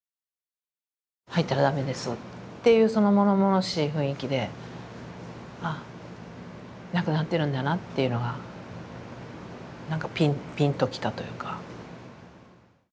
「入ったら駄目です」っていうそのものものしい雰囲気であっ亡くなってるんだなっていうのが何かピンときたというか。